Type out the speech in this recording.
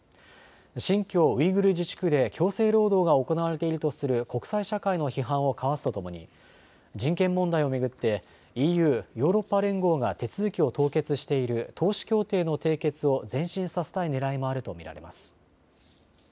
新疆ウイグル自治区で強制労働が行われているとする国際社会の批判をかわすともに人権問題を巡ってＥＵ・ヨーロッパ連合が手続きを凍結しているうえ投資協定の締結を前進させたいねらいもあると見られます。